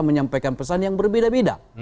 menyampaikan pesan yang berbeda beda